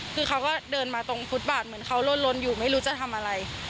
คือเขาก็เดินมาตรงฟุตบาทเหมือนเขาล่นอยู่ไม่รู้จะทำอะไร